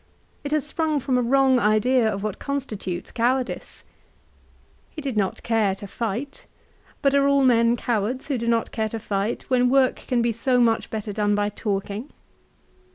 It has sprung from a wrong idea of what constitutes cowardice. He did not care to fight; but are all men cowards who do not care to fight when work can be so much better done by talking